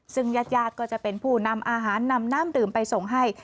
ซึ่งญาติก็จะเป็นผู้นำอาหารนำน้ำดื่มไปส่งให้